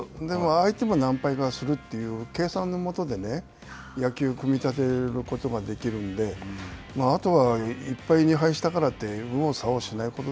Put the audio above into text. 相手も何敗かするという計算のもとで野球を組み立てることができるので、あとは１敗２敗したからって